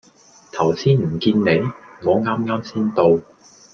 頭先唔見你？我啱啱先到